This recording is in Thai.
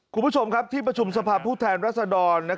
คุณผู้ชมครับที่ประชุมสภาพผู้แทนรัศดร